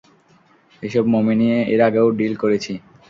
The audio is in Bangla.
এসব মমি নিয়ে এর আগেও ডিল করেছি!